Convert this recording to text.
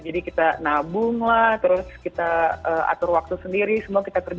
jadi kita nabung lah terus kita atur waktu sendiri sebagainya gitu ya